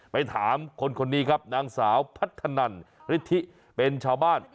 ไปถามคนคนนี้ครับนางสาวพัฒนันฤทธิเป็นชาวบ้าน